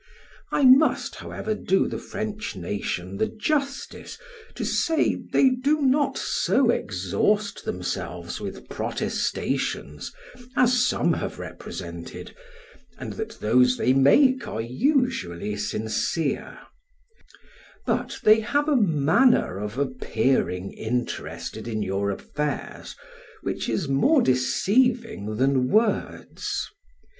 I must, however, do the French nation the justice to say, they do not so exhaust themselves with protestations, as some have represented, and that those they make are usually sincere; but they have a manner of appearing interested in your affairs, which is more deceiving than words.